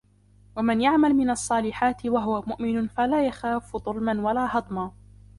ومن يعمل من الصالحات وهو مؤمن فلا يخاف ظلما ولا هضما